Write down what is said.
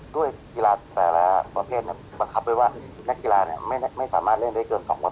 ด้วยกีฬาแต่ละประเภทบังคับไว้ว่านักกีฬาไม่สามารถเล่นได้เกิน๒ประเภท